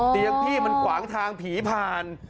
พี่มันขวางทางผีผ่าน